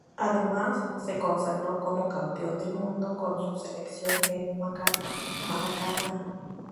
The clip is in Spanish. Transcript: Además se consagró como campeón del mundo con su selección en Maracaná.